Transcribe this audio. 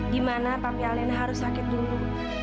dimana papi alena harus sakit dulu